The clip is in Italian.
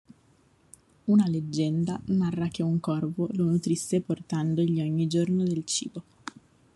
Una leggenda narra che un corvo lo nutrisse portandogli ogni giorno del cibo.